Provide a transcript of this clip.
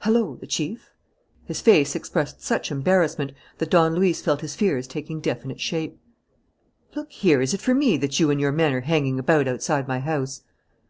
"Hullo, the Chief!" His face expressed such embarrassment that Don Luis felt his fears taking definite shape. "Look here, is it for me that you and your men are hanging about outside my house?"